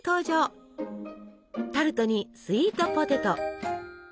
タルトにスイートポテト。